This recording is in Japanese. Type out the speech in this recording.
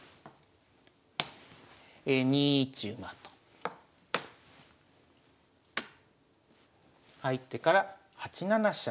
２一馬と入ってから８七飛車